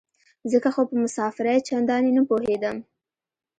ځکه خو په مسافرۍ چندانې نه پوهېدم.